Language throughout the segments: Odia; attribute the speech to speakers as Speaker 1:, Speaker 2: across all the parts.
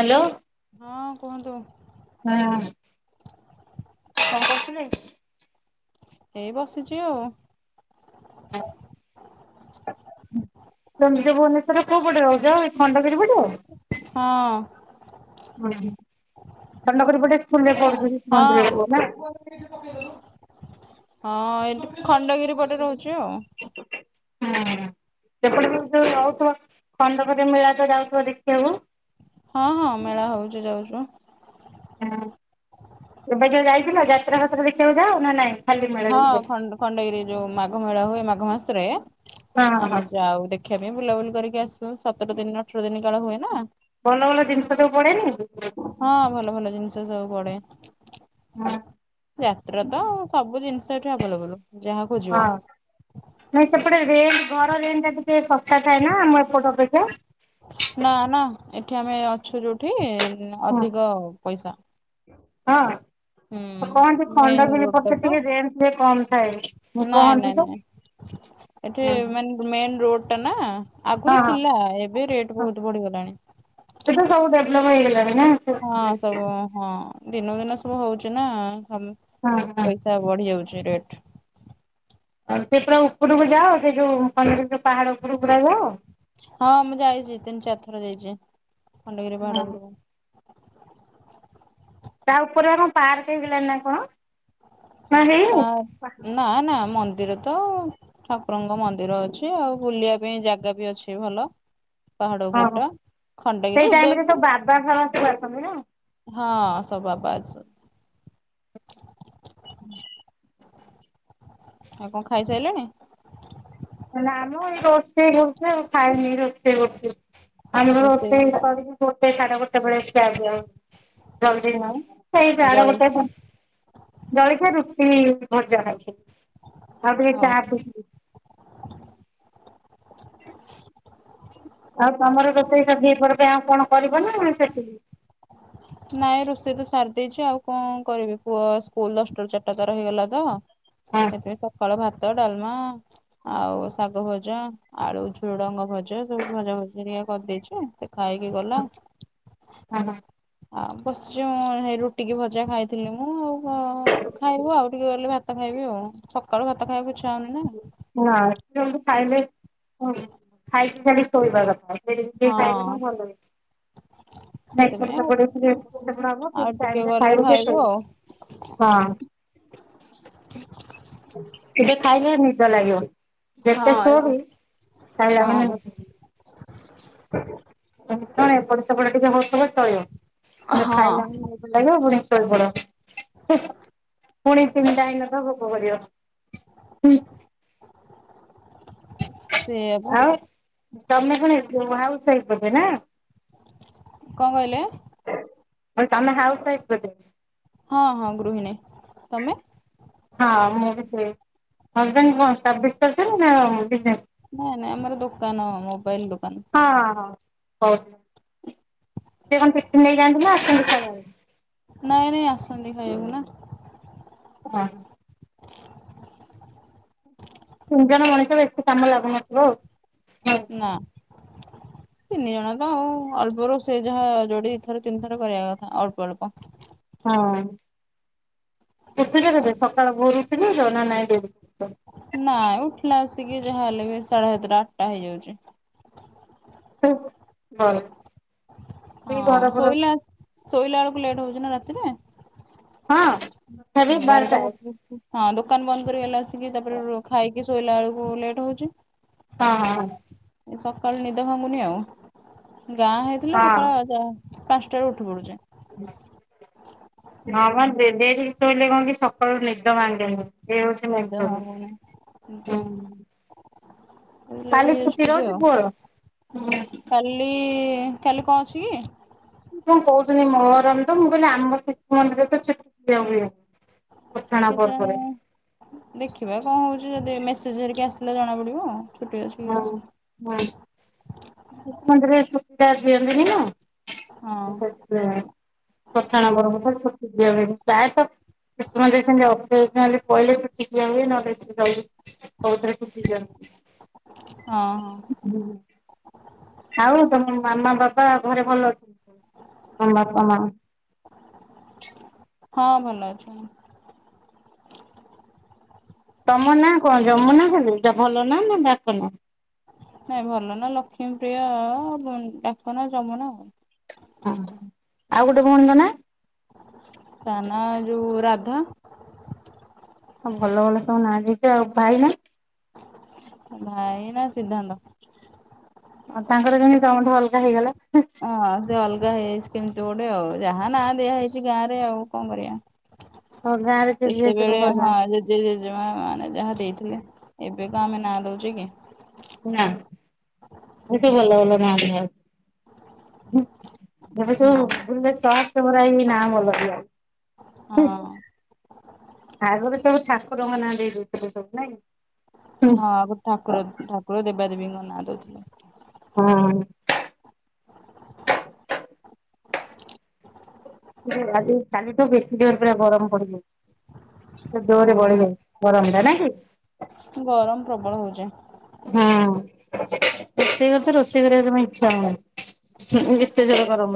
Speaker 1: ହ୍ୟାଲୋ।
Speaker 2: ହଁ କୁହନ୍ତୁ।
Speaker 1: ହଁ କଣ କରୁଥିଲେ।
Speaker 2: ଏଇ ବସିଛି ଆଉ।
Speaker 1: ହଁ। ତମେ ଯୋ ଭୁବନେଶ୍ଵର କୋଉ ପଟେ ରହୁଛ ଆ ଏ ଖଣ୍ଡଗିରି ପଟେ।
Speaker 2: ହଁ।
Speaker 1: [unintelligible] ଖଣ୍ଡଗିରି ପଟେ ସ୍କୁଲରେ
Speaker 2: ହଁ
Speaker 1: ପଢୁଥିଲି [unintelligible] ନା।
Speaker 2: ହଁ ଏଠି ଖଣ୍ଡଗିରି ପଟେ ରହୁଛି ଆଉ।
Speaker 1: ହୁଁ ସେପଟ ଯୋଉ ରହୁଥିବ ଖଣ୍ଡଗିରି ମେଳା ତ ଯାଉଥିବ ଦେଖିବାକୁ।
Speaker 2: ହଁ ହଁ ମେଳା ହଉଛି ଯାଉଛୁ।
Speaker 1: ହୁଁ ଏବେ ଯଉ ଯାଇଥିଲ ଯାତ୍ରା ଫାତ୍ରା ଦେଖିବାକୁ ଯାଅ ନା ନାଇଁ। ଖାଲି ମେଳା
Speaker 2: ହଁ
Speaker 1: ଦେଖିବାକୁ
Speaker 2: ଖଣ୍ଡ ଖଣ୍ଡଗିରି ଯୋଉ ମାଘ ମେଳା ହୁଏ ମାଘ ମାସରେ।
Speaker 1: ହଁ ହଁ। ହଁ
Speaker 2: ଆମେ ଯାଉ ଦେଖିବା ପାଇଁ ବୁଲାବୁଲି କରିକି ଆସୁ। ସତର ଦିନ ଅଠର ଦିନ କାଳ ହୁଏ ନା।
Speaker 1: ଭଲ ଭଲ ଜିନିଷ ସବୁ ପଡ଼େନି।
Speaker 2: ହଁ ଭଲ ଭଲ ଜିନିଷ ସବୁ ପଡ଼େ
Speaker 1: ହଁ।
Speaker 2: ଯାତ୍ରା ତ ସବୁ ଜିନିଷ ଏଠି ଆଭେଲେବୁଲ ଯାହା ଖୋଯିବ।
Speaker 1: ନାଇଁ ସେପଟେ ରେଣ୍ଟ ଘର ରେଣ୍ଟ ଟା ଟିକେ ଶସ୍ତା ଥାଏ ନା ଆମ ଏପଟେ ଅପେକ୍ଷା।
Speaker 2: ନା ନା ଏଠି ଆମେ ଅଛୁ ଯୋଉଠି ଅଧିକ ପଇସା।
Speaker 1: ହଁ।
Speaker 2: ହୁଁ
Speaker 1: ତ କହନ୍ତି
Speaker 2: ମେନ
Speaker 1: ଖଣ୍ଡଗିରି
Speaker 2: ରୋଡ ଟା
Speaker 1: ପଟେ
Speaker 2: ତ
Speaker 1: ଟିକେ ରେଣ୍ଟ ଟିକେ କମ ଥାଏ। ମୁଁ
Speaker 2: ନାଇଁ
Speaker 1: କହନ୍ତି
Speaker 2: ନାଇଁ
Speaker 1: ତ।
Speaker 2: ନାଇଁ ଏଠି
Speaker 1: ହଁ
Speaker 2: ମାନେ ମେନ୍ ରୋଡ। ଟ ନା
Speaker 1: ହଁ
Speaker 2: ଆଗରୁ ଥିଲା ଏବେ ରେଟ
Speaker 1: ହଁ
Speaker 2: ବହୁତ ବଢିଗଲାଣି।
Speaker 1: [unintelligible] ହେଇଲା ନା [unintelligible]
Speaker 2: ଦିନ କୁ ଦିନ ସବୁ ହଉଛି ନା ଆ
Speaker 1: ହଁ ହଁ
Speaker 2: ପଇସା ବଢି ଯାଉଛି ରେଟ।
Speaker 1: ଆଉ ସେ ପୁରା ଉପରକୁ ଯାଅ ସେ ଯୋଉ [unintelligible] ପାହାଡ ଉପରକୁ ରହିବ।
Speaker 2: ହଁ ମୁଁ ଯାଇଛି ତିନି ଚାରି ଥର ଯାଇଛି ଖଣ୍ଡଗିରି ପାହାଡ଼ ଉପରକୁ।
Speaker 1: ତା ଉପରେ ଆମ ପାର୍କ ହେଇଗଲାଣି ନା କଣ। ନା ହେଇନି?
Speaker 2: ପାର୍କ ନା ନା ମ ମନ୍ଦିର ତ ଠାକୁରଙ୍କ ମନ୍ଦିର ଅଛି ।ଆଉ ବୁଲିବା ପାଇଁ ଜାଗା ବି ଅଛି ଭଲ। ପାହାଡ଼ ଉପର
Speaker 1: ଓହୋ
Speaker 2: ଟା
Speaker 1: ସେଇ
Speaker 2: ଖଣ୍ଡଗିରି
Speaker 1: ଟାଇମରେ ତ
Speaker 2: ଉଦୟଗିରି।
Speaker 1: ବାବା ଫାବା ସବୁ ଆସନ୍ତି ନା।
Speaker 2: ହଁ ସ ବାବା ଅ
Speaker 1: ହୁଁ।
Speaker 2: ଆଉ କଣ ଖାଇସାଇଲେଣି।
Speaker 1: ନା ଆମ ଏ ରୋଷେଇ ହଉଛି ଆଉ ଖାଇନି ରୋଷେଇ କରୁଛି।
Speaker 2: ରୋଷେଇ
Speaker 1: [unintelligible] ଗୋଟେ ସାଢ଼େ ଗୋଟେ ବେଳେ ଖିଆ ଯୋଉ ଜଲଦି ନଁ ସେଇ ସାଢ଼େ
Speaker 2: ଜଳେଇ
Speaker 1: ଗୋଟେ। ଜଳଖିଆ ରୁଟି ଭଜା ଅଛି ତାପରେ
Speaker 2: ହଉ।
Speaker 1: ଚା ପିଇଥିଲି
Speaker 2: [inaudible]
Speaker 1: ଆଉ ତମର [unintelligible] ଆଉ କଣ କରିବ ନା ସେତିକି।
Speaker 2: ନାଇଁ ରୋଷେଇ ତ ସାରି ଦେଇଛି ଆଉ କଣ କରିବି। ପୁଅ ସ୍କୁଲ ଦଶଟାରୁ ଚାରିଟା ତାର ହେଇଗଲା ତ।
Speaker 1: ହଁ।
Speaker 2: ସେଥିପାଇଁ ସକାଳ ଭାତ ଭାତ ଡାଲମା ଆଉ ଶାଗଭଜା ଆଳୁଝୁଡଙ୍ଗ ଭଜା ସବୁ ଭଜାଭଜି ଘରିକା କରିଦେଇଛି ସେ ଖାଇକିଗଲା
Speaker 1: ହଁ
Speaker 2: । ଆଉ ବସିଛି ମୁଁ ହେଇ ରୁଟିିକି ଭଜା ଖାଇଥିଲି ମୁଁ ଆଉ । ହଁ ଖାଇବୁ ଆଉ ଟିକେ ଗଲେ ଭାତ ଖାଇବି ଆଉ ସକାଳୁ ଭାତ ଖାଇବାକୁ ଇଛା ହୋଉନି ନା ।
Speaker 1: ହଁ ଖାଇଲେ ଖାଇକି ଖାଲି ଶୋଇବା କଥା । ମେଡ଼ିସିନ ଖାଇଲେ କଣ
Speaker 2: ହଁ
Speaker 1: ଭଲହୁଏ । ଏପଟ
Speaker 2: ସେଥିପାଇଁ ଆଉ
Speaker 1: ସେପଟ ଟିକେ ହବ
Speaker 2: ଆଉ ଟିକେ
Speaker 1: ଟାଇମରେ
Speaker 2: ଗଲେ
Speaker 1: ଖାଇବ
Speaker 2: ଖାଇବୁ
Speaker 1: ଶୋଇବ
Speaker 2: ଆଉ
Speaker 1: । ହଁ
Speaker 2: [inaudible]
Speaker 1: କେବେ ଖାଇଲେ ନିଦ ଲାଗିବ ।
Speaker 2: ହଁ
Speaker 1: ଯେତେ ସୋ ବି
Speaker 2: ଏବେ
Speaker 1: ଖାଇଲା ମାନେ
Speaker 2: ହଁ
Speaker 1: ଏପଟସେପଟ ଟିକେ ହଉ ସବୁ ଚଳିବେ ଖାଇ ମ
Speaker 2: ହଁ
Speaker 1: ଭ ଲାଗିବ ପୁଣି ପୁଣି ତିନିଟା ହେଇନଥିବ ଭୋକ କରିବ। ହୁଁ।
Speaker 2: ସେଇଆପା
Speaker 1: ଆଉ ତମେ କଣ ଏ ହାଉସ ୱାଇଫ ବୋଧେ ନା ।
Speaker 2: କଣ କହିଲେ ।
Speaker 1: ବ ତମେ ହାଉସୱାଇଫ ବୋଧେ ।
Speaker 2: ହଁ ହଁ ଗୃହିଣୀ ତମେ
Speaker 1: ହଁ ମୁଁ ବି ସେଇ ହଜବାଣ୍ଡ୍ କଣ ସର୍ଭିସ କରିଛନ୍ତି ନା କଣ ବିଜନେସ ।
Speaker 2: ନାଇଁ ନାଇଁ ଆମର ଦୋକାନ ମୋବାଇଲ ଦୋକାନ
Speaker 1: ହଁ ହଁ ହଉ। ସେ କଣ ଟିଫିନ୍ ନେଇକି ଯାଆନ୍ତି ନା ଆସନ୍ତି ଖାଇବାକୁ ।
Speaker 2: ନାଇଁ ନାଇଁ ଆସନ୍ତି ଖାଇାବାକୁ ନା ।
Speaker 1: [inaudible] ତିନିଜଣ ମଣିଷ ବେଶୀ କାମ ଲାଗୁନଥିବ ଆଉ ।
Speaker 2: ନା
Speaker 1: [inaudible]
Speaker 2: ତିନିଜଣ ତ ଆଉ ଅଳ୍ପରୁ ସେ ଯାହା ଯୋଡି ଥରତିନିଥର କରିବା କଥା ଅଳ୍ପଅଳ୍ପ ।
Speaker 1: ହଁ ଉଠିଲ କେବେ ସକାଳ ଭୋରୁ ଉଠିଲ ଯ ନା ନାଇଁ ଦେ
Speaker 2: ନାଇଁ ଉଠିଲା ଆସିକି ଯାହାହେଲେ ବି ସାଢେ ସାତଟା ଆଠଟା ହେଇଯାଉଛି ।
Speaker 1: [inaudible] ସେଇ
Speaker 2: ହଁ
Speaker 1: ଘର ଫର
Speaker 2: ଶୋଇଲା ଶୋଇଲା ବେଳକୁ ଲେଟ ହଉଛି ନା ରାତିରେ ।
Speaker 1: ହଁ। ତଥାପି
Speaker 2: ବାରଟା
Speaker 1: ହଁ
Speaker 2: ଗୋଟେ ହଁ ଦୋକାନ ବନ୍ଦ କରଲା ଆସିକି ତାପରେ ଖାଇକି ଶୋଇଲା ବେଳକୁ ଲେଟ୍ ହଉଛି ।
Speaker 1: ହଁ ହ।
Speaker 2: ସକାଳୁ ନିଦ ଭାଙ୍ଗୁନି ଆଉ ଗାଁ ହେଇଥିଲେ ସକାଳ ଚାର ପାଞ୍ଚଟାରୁ ଉଠି ପଡୁଛେ ।
Speaker 1: ହଁମ ଡେରିରେ ଶୋଇିଲେ କଣ କି ସକାଳୁ ନିଦ ଭାଙ୍ଗେନି। ଏଉ ନାଇଁ
Speaker 2: ନିଦ
Speaker 1: ଖବୁ
Speaker 2: ଭାଙ୍ଗୁନି
Speaker 1: ହୁଁ।
Speaker 2: ଲେଟ ହେଇଯାଉଚି ଟିକେ
Speaker 1: ପୁଅର?
Speaker 2: କାଲି କାଲି କଣ ଅଛି କି?
Speaker 1: କଣ କହୁଥିଲି ମୋରମ ତ ମୁଁ କହିଲି ଆମର ଶିଶୁ ମନ୍ଦିରରେ ଛୁଟି ପକୁ ହୁଏ ।
Speaker 2: କେଜାଣେ ଦେଖିବା କଣ ହଉଛି ଯଦି ମେସେଜ ଘରିକା ଆସିଲେ ଜଣା ପଡିବ ଆଉ ।
Speaker 1: ହଁ ହଁ ଶିଶୁମନ୍ଦିରରେ ସୂତା ଦଅନ୍ତିନି ନା
Speaker 2: ହଁ
Speaker 1: । ସେଥି ପଠାଣ ବର କଥା ପ୍ରାୟତ ତୁମ ଦେଖ ଅ ପହିଲଲୋ ହୁଏ ନ
Speaker 2: ହଁ, ହଁ।
Speaker 1: ଆଉ ତମ ମାମା ବାବା ଘରେ ଭଲ ଅଛନ୍ତି ସବୁ । ତମ ବାପା ମାଆ। [inaudible]
Speaker 2: ହଁ ଭଲ ଅଛନ୍ତି।
Speaker 1: ତମ ନା କଣ ଯମୁନା ଖାଲି, ଏଇଟା ଭଲ ନାଁ ନା ଡାକ ନାଁ।
Speaker 2: ନାଇଁ ଭଲ ନା ଲକ୍ଷ୍ମୀପ୍ରିୟା। ଡାକ ନା ଯମୁନା ଆଉ।
Speaker 1: ଆ ଆଉ ଗୋଟେ ଭଉଣୀ ଙ୍କ ନାଁ।
Speaker 2: ତା ନା ଯୋଉ ରାଧା,
Speaker 1: ଭଲ ଭଲ ସବୁ ନାଁ ଦେଇଚ ଆଉ। ଭାଇ ନାଁ,
Speaker 2: ଭାଇ ନା ସିଦ୍ଧାନ୍ତ,
Speaker 1: ଆଉ ତାଙ୍କର କାହିଁକି ତମଠୁଅଲଗା ହେଇଗଲ?
Speaker 2: ହଁ ସେ ଅଲଗା ହେଇଯାଇଛି କେମିତି ଗୋଟେ ଆଉ, ଯାହା ନା ଦିଆ ହେଇଛି ଗାଁ ରେ ଆଉ କଣ କରିଆ?
Speaker 1: ତମ ଗାଁ ରେ ନା ଏ ସବୁ
Speaker 2: ସେତେବେଳେ
Speaker 1: ଭଲ ଭଲ
Speaker 2: ହଁ
Speaker 1: ନାଁ
Speaker 2: ଜେଜେ ଜେଜେମା ମାନେ ଯାହା ଦେଇଥିଲେ। ଏବେ ତ ଆମେ ନାଁ ଦେଉଛେ କି?
Speaker 1: ଭଲ ଭଲ ଗାଁ ରେ ଖାଉ। ମଣିଷ
Speaker 2: ହୁଁ
Speaker 1: ଭୂନେଶର। [unintelligible]
Speaker 2: ହଁ।
Speaker 1: ଆଗରୁ ସବୁ ଠାକୁର ଙ୍କ ନାଁ ଦେଇ ଦଉଥିଲେ ସବୁ ନାଇଁ?
Speaker 2: ହଁ ଗୋଟେ ଠାକୁର, ଠାକୁର ଦେବା ଦେବୀଙ୍କ ନାଁ ଦଉଥିଲେ।
Speaker 1: ହଁ? ଯେ, ଆଜି କାଲି ଠୁ ବେଶି ଜୋର୍ ପୁରା ଗରମ ପଡିଯାଇଛି । ସେ ଦଡରେ ବଢ
Speaker 2: ହଁ।
Speaker 1: ବର ହତା ନା କି?
Speaker 2: ଗରମ ପ୍ରବଳ ହଉଚି।
Speaker 1: ହଁ ରୋଷେଇ ଘରେ ତ ରୋଷେଇ କରିବା ଇଚ୍ଛା ହଉନି।
Speaker 2: ଆ
Speaker 1: ଏତେ
Speaker 2: କଣ
Speaker 1: ଜୋର
Speaker 2: କରିବା,
Speaker 1: ଗରମ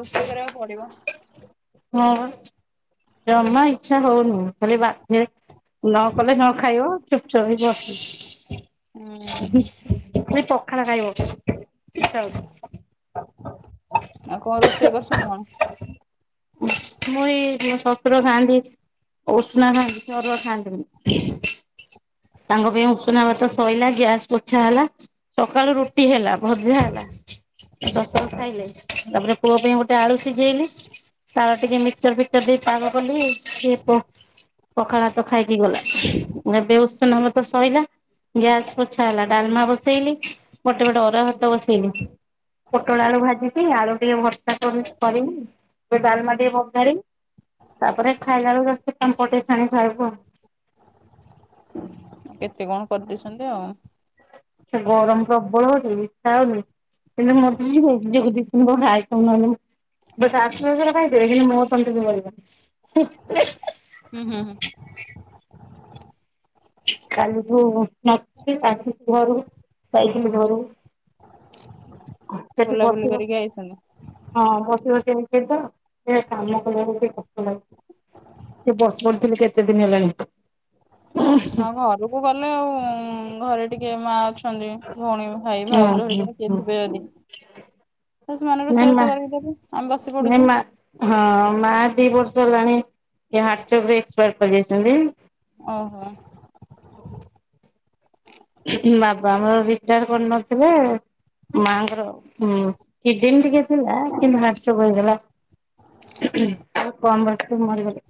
Speaker 2: ରୋଷେଇ କରିବାକୁ ପଡିବ।
Speaker 1: ହଁପା, ଜମା ଇଛା ହଉନି ଖାଲି ବାଧ୍ୟହେ ନ କଲେ ନ ଖାଇବ, ଚୁପ୍ ଚାପ୍ ହେଇ ବସି
Speaker 2: ହୁଁ
Speaker 1: ବିଶ୍ ବିଶ୍ ପଖାଳ ଖାଇବ। ଇଛା ହଉଛି।
Speaker 2: ଆଉ କଣ ରୋଷେଇ କରୁଛନ୍ତି କଣ?
Speaker 1: ଶସୁର ଖାଆନ୍ତି, ଉସୁନା ଖାଆନ୍ତି। ସେ ଅରୁଆ ଖାଆନ୍ତିିନି। ତାଙ୍କ ପାଇଁ ଉସୁନା ଭାତ ସଇଲା। ଗ୍ୟାସ ପୋଛା ହେଲା। ସକାଳୁ ରୁଟି ହେଲା। ଭଜା ହେଲା। ଦଶଟାଳୁ ଖାଇଲେ, ତାପରେ ପୁଅ ପାଇଁ ଗୋଟେ ଆଳୁ ସିଝେଇଲି। ତାର ଟିକେ ମିକ୍ସଚର, ଫିକସ୍ ର ଦେଇ ପାଗ କଲି ସିଏ ତୋ । ପଖାଳ ଭାତ ଖାଇକି ଗଲା। ଏବେ ଉସନା ଭାତ ସଇ ଲା। ଗ୍ୟାସ୍ ପୋଛା ହେଲା, ଡାଲମା ବସେଇଲି, ଗୋଟେ ପଟେ ଅରୁଆ ଭାତ ବସେଇଲି। ପୋଟଳ ଆଳୁ ଭାଜିଛି, ଆଳୁ ଟିକେ ଭତ୍ତା କ କରି-କରିମୀ। ତ ଡାଲମା ଟିକେ ପଘାରିମି। ତାପରେ, ଖାଇଲା ବେଳକୁ ତା ସହିତ ପାମ୍ପଡଟେ ଛାଣି ଖାଇବୁ ଆଉ।
Speaker 2: କେତେ କଣ କରିଦେଇଛନ୍ତି ଆଉ।
Speaker 1: ସେ ଗରମ ପ୍ରବଳ ହଉଛି। ଇଚ୍ଛା ହେଉନି। ମରିଯିମି। ନିଜକୁ ନିଯେ ହାଇ କରିଦେମି। ବଟ୍ ଆସ କାଇ ମୋ ତଣ୍ଟି ରେ ଗଲିବନି।
Speaker 2: ଉ ହୁଁ ହୁଁ।
Speaker 1: କାଲିଠୁ ନ ଆସିକି ଘରୁ ଯାଇଥିଲି ଘରୁ। ସେଠି
Speaker 2: ବୁଲାବୁଲି
Speaker 1: ବସି ବସ
Speaker 2: କରିକି ଆଇଛନ୍ତି
Speaker 1: ହଁ ବ ତ କାମ କରିବାକୁ କଷ୍ଟ ଲାଗେ। ସେ ବସି ପଡ଼ିଥିଲେ କେତେ ଦିନ ହେଲାଣି।
Speaker 2: ଆଉ ଘରକୁ ଗଲେ ଆଉ ଘରେ ଟିକେ ମା ଛନ୍ତି। ଭଉଣୀ ଭାଇ
Speaker 1: ହୁଁ
Speaker 2: ଭାଇଭାଉଜ
Speaker 1: ହୁଁ
Speaker 2: ହେରିକା କିଏ
Speaker 1: ହୁଁ।
Speaker 2: ଥିବେ ଯଦି? ତ ସେମାନର ରୋଷେଇବାସ କରିକି ଦବ।
Speaker 1: ନେମା ହଁ। ମା ଦି ବର୍ଷ ହେଲାଣି ଏ ହାର୍ଟ ଚୋଟରେ ଏକ୍ସପାର କରିଯାଇଛନ୍ତି।
Speaker 2: ଓହୋ।
Speaker 1: ହ। ବାବା ଆମର ରିଟାୟାର କରିନଥିଲେ। ମାଙ୍କର ହଁ କିଡିନ ଟିକେ ଥିଲା କିନ୍ତୁ ହାର୍ଟ ଚୋକ୍ ହେଇଗଲା। କଣ ବର୍ଷରେ ମରିଗଲେ।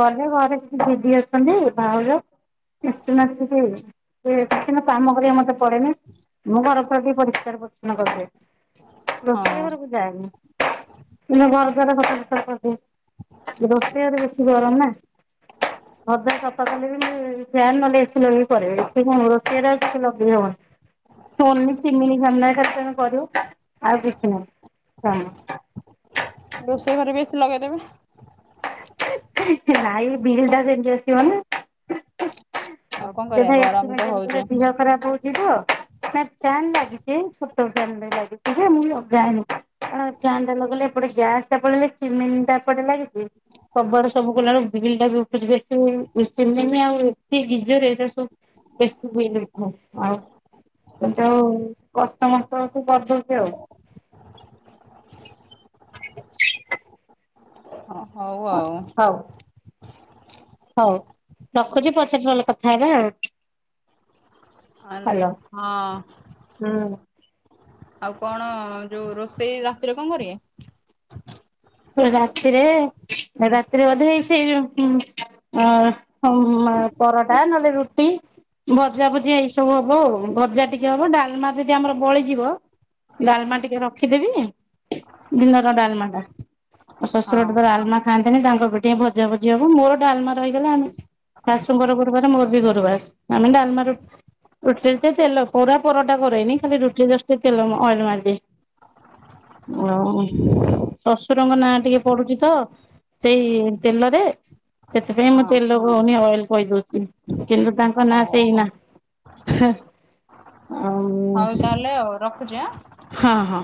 Speaker 1: ଗଲେ ଘରେ ଦିଦି ଅଛନ୍ତି ଭାଉଜ ମାସେ ମାସେ ରହିବେ ଏ କାମ କରିବାକୁ ମତେ ପଡେନି ମୁଁ ଘର ପ୍ରତି ପରିଷ୍କାର ପରିଚ୍ଛନ୍ନ କରିଦଏ
Speaker 2: ହଁ
Speaker 1: ରୋଷେଇ ଘରକୁ ଯାଏନି। ଘରଦ୍ଵାର ସଫା ଫଫା କରିଦିଏ ରୋଷେଇ ଘରେ ବେଶୀ ଗରମ ନା ଘରଦ୍ଵାର ସଫା କଲେ ବି ଫ୍ୟାନ ନହେଲେ ଏସି ଲଗେଇ କରେ ଏଠି କଣ ରୋଷେଇ ଘରେ ଆଉକିଛି ଲଗେଇ ହବନି। ତମର ଏମିତି ଚିମିନି ସାମ୍ନାରେ ଖାଲି କରିବ ଆଉ କିଛି ନାହିଁ। ହଁ,
Speaker 2: ରୋଷେଇ ଘରେ ଏସି ଲଗେଇଦବେ,
Speaker 1: ନାଇ ବିଲ୍ ଟା ସେମିତି ଆସିବ ନା।
Speaker 2: ଆଉ କଣ କରିବା
Speaker 1: ସବୁଜାଗା ଏସି
Speaker 2: ଗରମ ତ
Speaker 1: ମେନଟେନ କଲେ
Speaker 2: ହଉଛି
Speaker 1: ଦେହ ଖରାପ ହଉଛି ତ ନାଇ ଫ୍ୟାନ୍ ଲାଗିଛ ଛୋଟ ଫ୍ୟାନ ଲାଗିଛି ଯେ ମୁଁ ଲଗାଏନି କାରଣ ଫ୍ୟାନ ଲଗେଇଲେ ଏପଟେ ଗ୍ୟାସ ଟା ପଡେଇଲେ ଚିମିନ ଏପଟେ ଲାଗିଛି। ସବୁଆଡେ ସବୁ କଲା ବେଳକୁ ବିଲ୍ ଟା ବି ଉଠୁଛି ବେଶୀ ଆଉ ସେ ଗିଜର ଏରା ସବୁ ବେଶୀ ବିଲ୍ ଉଠେ ଆଉ କିନ୍ତୁ କଷ୍ଟମତେ ହଉଛି କରିଦଉଛି ଆଉ। [unintelligible]
Speaker 2: ହଉ
Speaker 1: ଅ
Speaker 2: ଆଉ
Speaker 1: ହଉ। ହଉ ରଖୁଛି ପଛର ନହେଲେ କଥା ହେବା ଆଉ।
Speaker 2: ଆ
Speaker 1: ହ୍ୟାଲୋ।
Speaker 2: ହଁ
Speaker 1: ହୁଁ।
Speaker 2: ଆଉ କଣ ଯୋଉ ରୋଷେଇ ରାତିରେ କଣ କରିବେ?
Speaker 1: ରାତିରେ ରାତିରେ ବୋଧେ ହେଇ ସେ ହ ଅ ହ ପରଟା ନହେଲେ ରୁଟି ଭଜା ଭୁଜି ଏଇ ସବୁ ହବ ଆଉ ଭଜା ଟିକେ ହବ ଡାଲମା ଯଦି ଆମର ବଳିଯିବ ଡାଲମା ଟିକେ ରଖିଦେବି ଦିନର ଡାଲମା ଟା ଶଶୁରଟେ
Speaker 2: ହଁ
Speaker 1: ତ ଡଲମା ଖାଆନ୍ତିନି ତାଙ୍କ ପାଇଁ ଟିକେ ଭଜା ଭଜି ହବ ମୋରୋ ଡାଲମା ରହିଗଲା ଆମେ ଶାଶୁଙ୍କର ଗୁରୁବାର ମୋର ବି ଗୁରୁବାର ଆମେ ଡାଲମା ରୁଟି ରୁଟିଟିର ତ ତେଲ ପୁରା ପରଟା କରେନି ଖାଲି ରୁଟି ରେ ଜଷ୍ଟ ଟିକେ ତେଲ ଅଏଲ ମାରିଦିଏ। ହଁ, ଶଶୁରଙ ନାଁ ଟିକେ ପଡୁଛି ତ ସେଇ ତେଲରେ ସେଥିପାଇଁ ମୁଁ
Speaker 2: ହଁ
Speaker 1: ତେଲ କହୁନି ଅଏଲ କହିଦଉଛି କିନ୍ତୁ ତାଙ୍କ ନାଁ
Speaker 2: ହଉ
Speaker 1: ସେଇନା ହ
Speaker 2: ହଉ
Speaker 1: ଆଉ
Speaker 2: ତାହେଲେ ଆଉ ରଖୁଛି ଆଁ।
Speaker 1: ହଁ ହଁ,